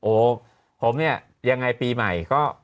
โอ้ผมเนี่ยยังไงปีใหม่ก็